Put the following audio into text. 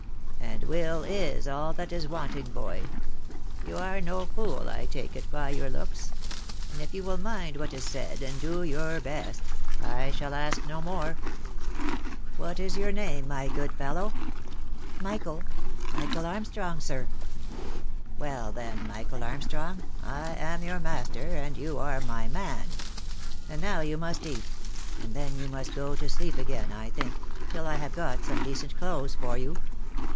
" And will is all that is wanting, boy. You are no fool, I take it, by your looks ; and if you will mind what is said, and do your best, I shall ask no more. What is your name, my good fellow V " Michael — Michael Armstrong, sir." "Well, then, Michael Armstrong, I am your master, and you are my man: And now you must eat, and then you must go to sleep again, I think, till I have got some decent clothes for you.